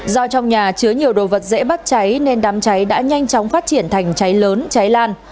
do trong nhà chứa nhiều đồ vật dễ bắt cháy nên đám cháy đã nhanh chóng phát triển thành cháy lớn cháy lan